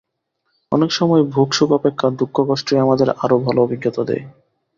অনেক সময় ভোগসুখ অপেক্ষা দুঃখকষ্টই আমাদের আরও ভাল অভিজ্ঞতা দেয়।